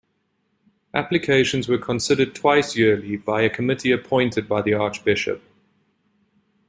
Applications were considered twice yearly by a committee appointed by the archbishop.